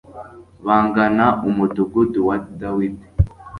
bagana umudugudu wa Dawidi.